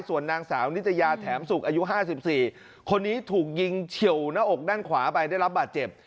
ส่วนนางสาวนิตยาแถมสุกอายุ๕๔คนนี้ถูกยิงเฉียวหน้าอกด้านขวาไปได้รับบาดเจ็บ